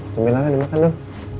pemilangan dimakan dong